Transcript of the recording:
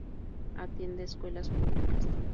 Atienda escuelas públicas.